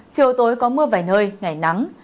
chiều tối có mưa vài nơi ngày nắng